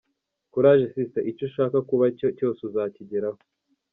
courage sister icyo ushaka kubacyo cyose uzakigeraho.